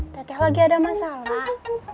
teh teh lagi ada masalah